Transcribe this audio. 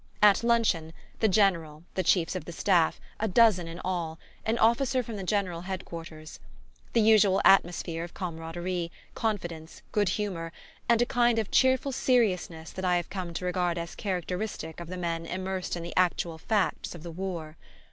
At luncheon, the General, the chiefs of the staff a dozen in all an officer from the General Head quarters. The usual atmosphere of camaraderie, confidence, good humour, and a kind of cheerful seriousness that I have come to regard as characteristic of the men immersed in the actual facts of the war.